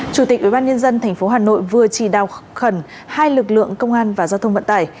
chủ tịch ubnd tp hcm vừa chỉ đào khẩn hai lực lượng công an và giao thông vận tải